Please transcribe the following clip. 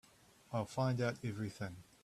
I'll find out everything.